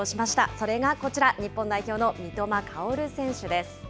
それがこちら、日本代表の三笘薫選手です。